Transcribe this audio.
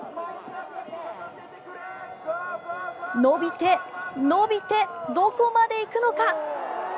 伸びて、伸びてどこまで行くのか？